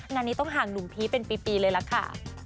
งานนี้ต้องห่างหนุ่มพีชเป็นปีเลยล่ะค่ะ